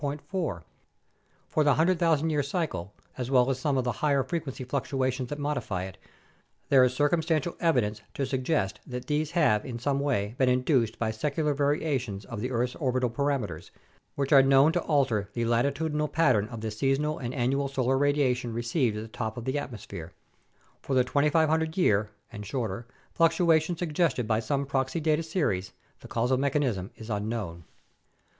4. For the 100,000 year cycle, as well as some of the higher frequency fluctua tions that modify it, there is circumstantial evidence to suggest that these have in some way been induced by secular variations of the earth's orbital parameters, which are known to alter the latitudinal pat tern of the seasonal and annual solar radiation received at the top of the atmosphere. For the 2500 year (and shorter) fluctuations suggested by some proxy data series, the causal mechanism is unknown.